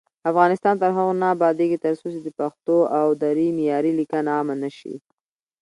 افغانستان تر هغو نه ابادیږي، ترڅو د پښتو او دري معیاري لیکنه عامه نشي.